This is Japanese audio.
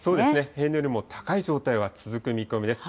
平年よりも高い状態が続く見込みです。